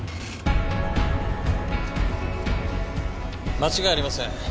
間違いありません。